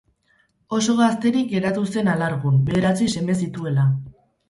Oso gazterik geratu zen alargun, bederatzi seme zituela.